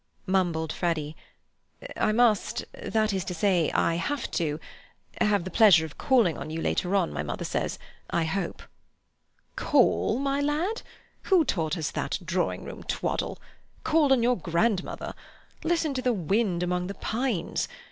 mumbled Freddy. "I must—that is to say, I have to—have the pleasure of calling on you later on, my mother says, I hope." "Call, my lad? Who taught us that drawing room twaddle? Call on your grandmother! Listen to the wind among the pines!